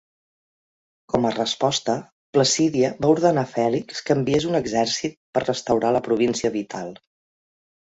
Com a resposta, Placídia va ordenar Fèlix que enviés un exèrcit per restaurar la província vital.